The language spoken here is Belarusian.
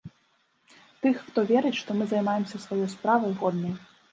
Тых, хто верыць, што мы займаемся сваёй справай годнай.